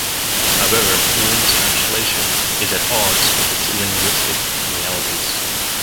However even this translation is at odds with the linguistic realities.